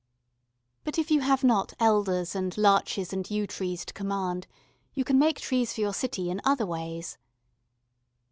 But if you have not elders and larches and yew trees to command, you can make trees for your city in other ways.